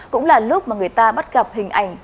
cũng là lúc mà người ta bắt gặp hình ảnh